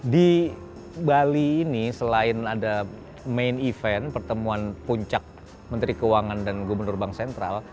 di bali ini selain ada main event pertemuan puncak menteri keuangan dan gubernur bank sentral